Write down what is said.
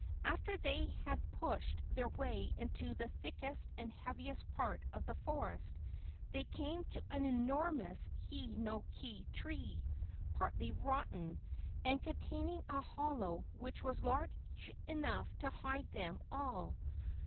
After they had pushed their way into the thickest and heaviest part of the forest, they came to an enormous hi no ki tree, partly rotten, and containing a hollow which was large enough to hide them all.